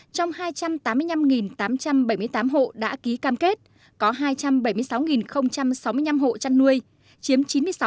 trong hai trăm tám mươi năm tám trăm bảy mươi tám hộ đã ký cam kết có hai trăm bảy mươi sáu sáu mươi năm hộ chăn nuôi chiếm chín mươi sáu